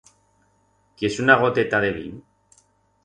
Quiers una goteta de vin?